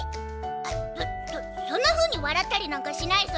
あっそんなふうにわらったりなんかしないソヨ！